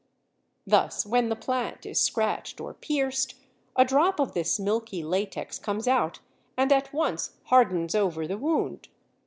Thus when the plant is scratched or pierced, a drop of this milky latex comes out and at once hardens over the wound.